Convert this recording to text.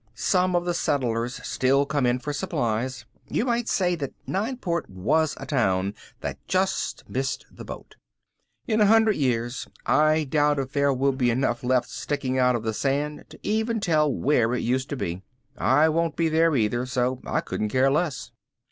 Some of the settlers still came in for supplies. You might say that Nineport was a town that just missed the boat. In a hundred years I doubt if there will be enough left sticking of the sand to even tell where it used to be. I won't be there either, so I couldn't care less.